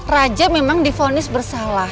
raja memang difonis bersalah